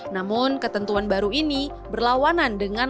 namun ketentuan baru ini berlawanan dengan